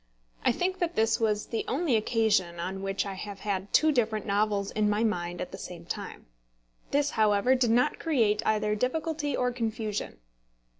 I think that this was the only occasion on which I have had two different novels in my mind at the same time. This, however, did not create either difficulty or confusion.